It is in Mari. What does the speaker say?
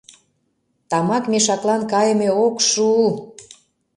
— Тамак мешаклан кайыме ок шу-у!